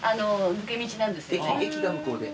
駅が向こうで？